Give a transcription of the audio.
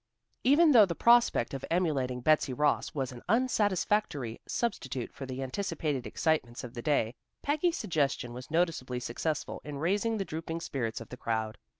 Even though the prospect of emulating Betsy Ross was an unsatisfactory substitute for the anticipated excitements of the day, Peggy's suggestion was noticeably successful in raising the drooping spirits of the crowd.